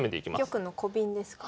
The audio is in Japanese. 玉のコビンですかね。